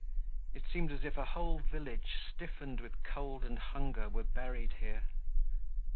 It seemed as if a whole village, stiffened with cold and hunger, were buried here.